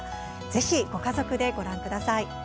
ぜひ、ご家族でご覧ください。